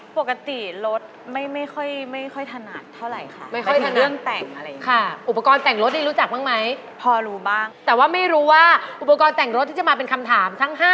ปกติรถไม่ไม่ค่อยไม่ค่อยทนัดเท่าไรค่ะ